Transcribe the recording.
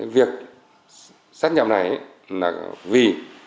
việc sắp nhập này là vì